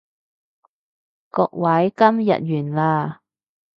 各位，今日完啦